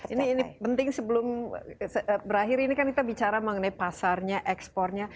ini penting sebelum berakhir ini kan kita bicara mengenai pasarnya ekspornya